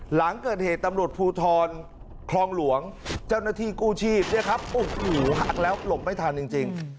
หลังเกิดเหตุตำรวจภูทรคลองหลวงเจ้าหน้าที่กู้ชีพเนี่ยครับโอ้โหหักแล้วหลบไม่ทันจริง